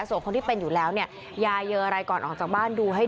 ส่วนคนที่เป็นอยู่แล้วเนี่ยยาเยอะอะไรก่อนออกจากบ้านดูให้